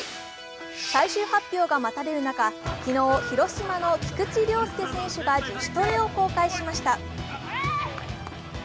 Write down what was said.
最終発表が待たれる中、昨日、広島の菊池涼介選手が自主トレを公開しました。